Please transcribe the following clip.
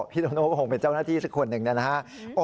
โตโน่ก็คงเป็นเจ้าหน้าที่สักคนหนึ่งนะครับ